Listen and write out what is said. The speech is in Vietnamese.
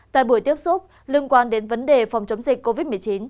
tại buổi tiếp xúc liên quan đến vấn đề phòng chống dịch covid một mươi chín